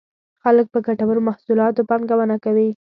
خلک په ګټورو محصولاتو پانګونه کوي.